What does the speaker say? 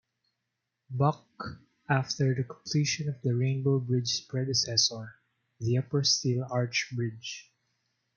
Buck, after the completion of the Rainbow Bridge's predecessor, the Upper Steel Arch Bridge.